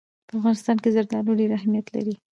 په افغانستان کې زردالو ډېر اهمیت لري.